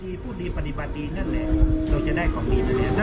คิดดีพูดดีปฏิบัติดีนั่นแหละเราจะได้ของดีนั่นแหละ